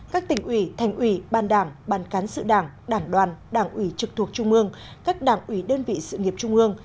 các tỉnh ủy thành ủy ban đảng ban cán sự đảng đảng đoàn đảng ủy trực thuộc trung ương các đảng ủy đơn vị sự nghiệp trung ương